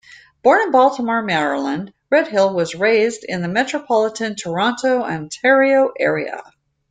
Born in Baltimore, Maryland, Redhill was raised in the metropolitan Toronto, Ontario area.